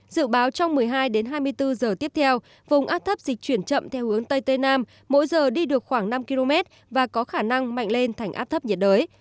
dự báo trong một mươi hai đến hai mươi bốn giờ tiếp theo vùng áp thấp dịch chuyển chậm theo hướng tây tây nam mỗi giờ đi được khoảng năm km và có khả năng mạnh lên thành áp thấp nhiệt đới